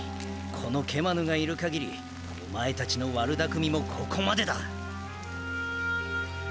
このケマヌがいるかぎりお前たちの悪だくみもここまでだ。